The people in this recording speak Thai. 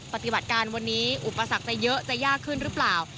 ปฏิบัติการวันนี้อุปสรรคจะเยอะจะยากขึ้นหรือเปล่า